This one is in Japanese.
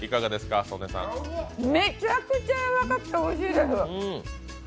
めちゃくちゃやわらかくておいしいです。